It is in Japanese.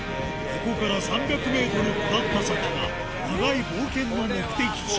ここから３００ｍ下った先が長い冒険の目的地